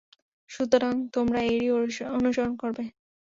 সুতরাং তোমরা এরই অনুসরণ করবে।